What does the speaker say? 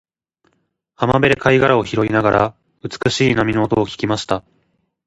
浜辺で貝殻を拾いながら、美しい波の音を聞きました。